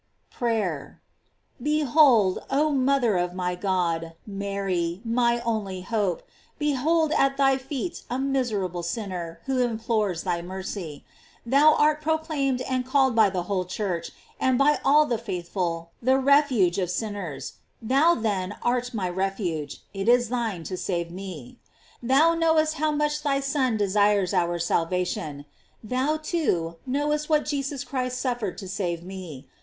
PRAYER. Behold, oh mother of my God, Mary, my only hope, behold at thy feet a miserable sinner, who implores thy mercy. Thou art proclaimed and called by the whole Church, and by all the faithful, the refuge of sinners; thou then art my refuge; it is thine to save me. Thou knowest how much thy Son desires our salvation.* Thou, too, knowest what Jesus Christ suffered to save me.